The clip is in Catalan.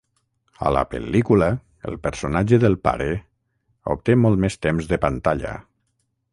A la pel·lícula, el personatge del "Pare" obté molt més temps de pantalla.